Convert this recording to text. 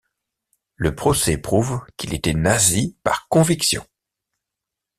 Le procès prouve qu'il était nazi par conviction.